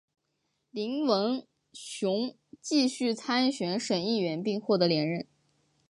林文雄继续参选省议员并获得连任。